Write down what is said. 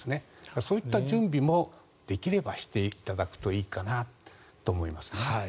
そういった準備もできればしていただくといいかなと思いますね。